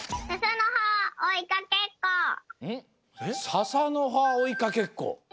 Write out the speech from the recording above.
ささのはおいかけっこ。